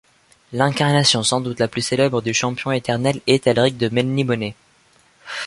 L'incarnation sans doute la plus célèbre du Champion éternel est Elric de Melniboné.